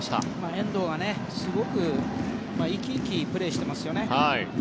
遠藤はすごく生き生きプレーしてますよね。